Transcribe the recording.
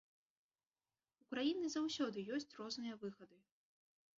У краіны заўсёды ёсць розныя выхады.